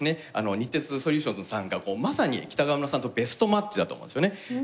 日鉄ソリューションズさんがまさに北川村さんとベストマッチだと思うんですよね。